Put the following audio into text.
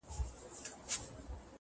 مثبت چلند د سختیو فشار کموي’